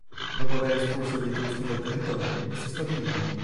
Dopo aver espulso gli Etruschi dal territorio vi si stabilirono.